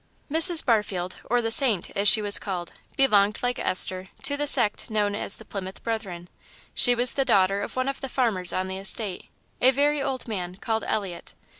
Mrs. Barfield, or the Saint, as she was called, belonged, like Esther, to the sect known as the Plymouth Brethren. She was the daughter of one of the farmers on the estate a very old man called Elliot.